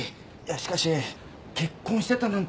しかし結婚してたなんて